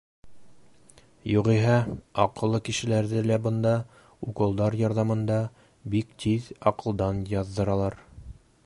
Юғиһә, аҡыллы кешеләрҙе лә бында уколдар ярҙамында бик тиҙ аҡылдан яҙҙыралар.